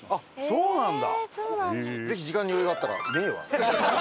そうなんだ。